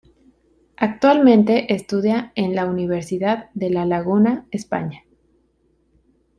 Actualmente estudia en la Universidad de La Laguna, España.